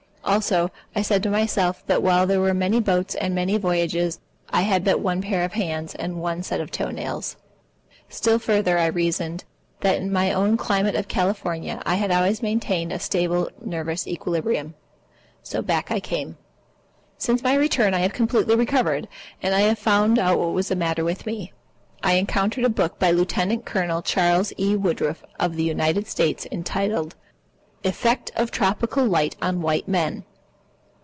Also, I said to myself that while there were many boats and many voyages, I had but one pair of hands and one set of toe nails. Still further, I reasoned that in my own climate of California I had always maintained a stable nervous equilibrium. So back I came. Since my return I have completely recovered. And I have found out what was the matter with me. I encountered a book by Lieutenant Colonel Charles E. Woodruff of the United States Army entitled "Effects of Tropical Light on White Men."